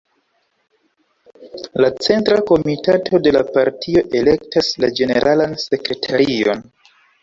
La Centra Komitato de la partio elektas la Ĝeneralan Sekretarion.